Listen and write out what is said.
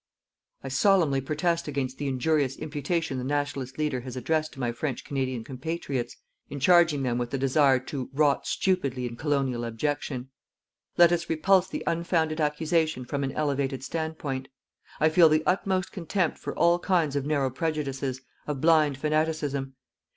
I solemnly protest against the injurious imputation the Nationalist leader has addressed to my French Canadian compatriots in charging them with the desire to rot stupidly in colonial abjection. Let us repulse the unfounded accusation from an elevated standpoint. I feel the utmost contempt for all kinds of narrow prejudices, of blind fanaticism.